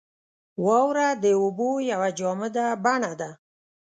• واوره د اوبو یوه جامده بڼه ده.